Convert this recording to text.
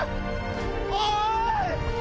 おい！